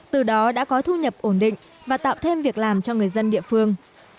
từ đó đã có thu nhập ổn định và tạo thêm việc làm cho người dân địa phương